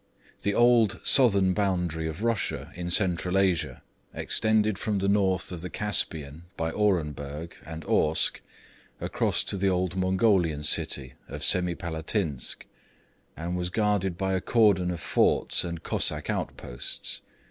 The old southern boundary of Russia in Central Asia extended from the north of the Caspian by Orenburg and Orsk, across to the old Mongolian city of Semipalatinsk, and was guarded by a cordon of forts and Cossack outposts.